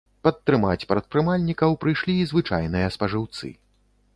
Падтрымаць прадпрымальнікаў прыйшлі і звычайныя спажыўцы.